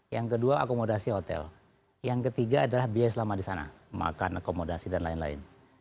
yang kedua akomodasi hotel yang ketiga adalah biaya selama di sana makan akomodasi dan lain lain